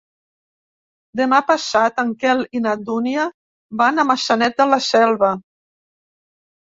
Demà passat en Quel i na Dúnia van a Maçanet de la Selva.